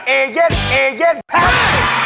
เอเย็กเอเย็กแพ้ง